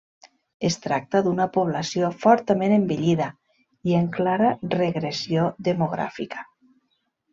Es tracta d'una població fortament envellida i en clara regressió demogràfica.